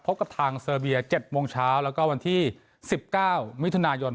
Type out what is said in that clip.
พบกับทางเซอร์เบีย๗โมงเช้าแล้วก็วันที่๑๙มิถุนายน